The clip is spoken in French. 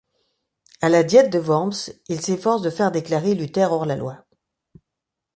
À la Diète de Worms, il s'efforce de faire déclarer Luther hors la loi.